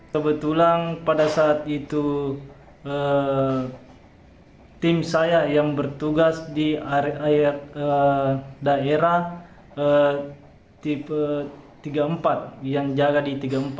kebetulan pada saat itu tim saya yang bertugas di daerah tipe tiga puluh empat yang jaga di tiga puluh empat